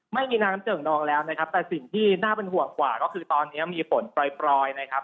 ไม่มีน้ำเจิ่งนองแล้วนะครับแต่สิ่งที่น่าเป็นห่วงกว่าก็คือตอนนี้มีฝนปล่อยนะครับ